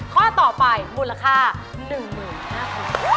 ข้อต่อไปมูลค่า๑๕๐๐บาท